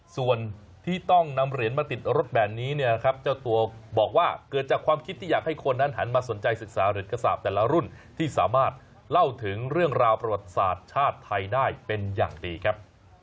ส่วนที่ต้องนำเหรียญมาติดรถแบบนี้เนี่ยนะครับเจ้าตัวบอกว่าเกิดจากความคิดที่อยากให้คนนั้นหันมาสนใจศึกษาเหรียญกษาปแต่ละรุ่นที่สามารถเล่าถึงเรื่องราวประวัติศาสตร์ชาติไทยได้เป็นอย่างดีครับ